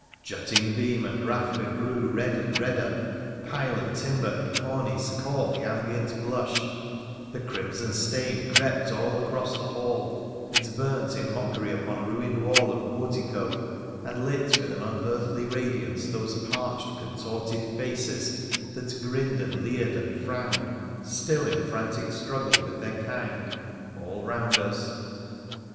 Jutting beam and rafter grew red and redder, pile and timber and cornice caught the ambient blush, the crimson stain crept all across the hall, it burnt in mockery upon ruined wall and portico, and lit with an unearthly radiance those parched, contorted faces that grinned and leered and frowned, still in frantic struggle with their kind, all round us.